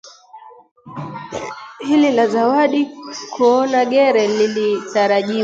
hili la Zawadi kuona gere lilitarajiwa